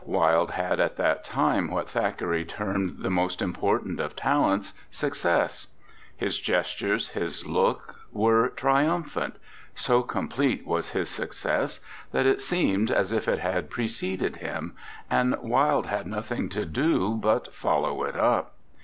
Wilde had at that time what Thackeray termed the most important of talents, success. His gestures, his look, were triumphant. So complete was his success that it seemed as if it had preceded him, and Wilde had nothing to do but follow it up.